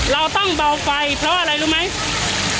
เราต้องเบาไฟเพราะอะไรรู้ไหม